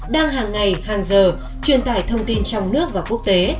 đang hàng ngày hàng giờ truyền tải thông tin trong nước và quốc tế